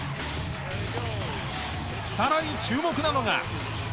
さらに注目なのが。